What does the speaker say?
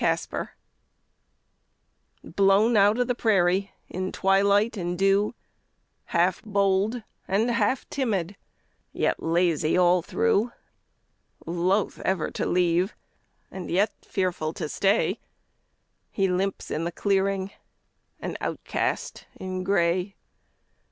COYOTE Blown out of the prairie in twilight and dew, Half bold and half timid, yet lazy all through; Loath ever to leave, and yet fearful to stay, He limps in the clearing, an outcast in gray.